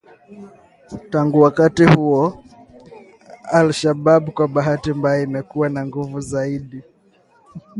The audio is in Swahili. Tangu wakati huo al-Shabab kwa bahati mbaya imekuwa na nguvu zaidi